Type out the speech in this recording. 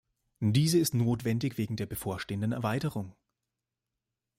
Diese ist notwendig wegen der bevorstehenden Erweiterung.